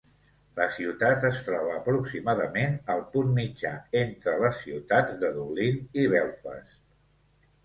La ciutat es troba aproximadament al punt mitjà entre les ciutats de Dublín i Belfast.